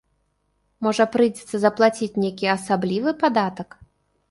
Можа, прыйдзецца заплаціць нейкі асаблівы падатак?